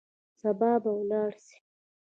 سبا به ولاړ سئ.